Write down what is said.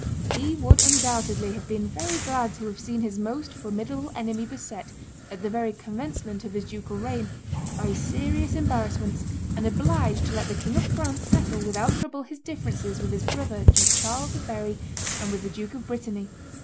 He would undoubtedly have been very glad to have seen his most formidable enemy beset, at the very commencement of his ducal reign, by serious embarrassments, and obliged to let the king of France settle without trouble his differences with his brother Duke Charles of Berry, and with the Duke of Brittany.